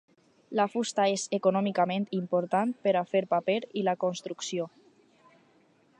La fusta és econòmicament important per a fer paper i la construcció.